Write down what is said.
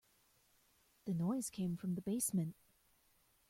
The noise came from the basement.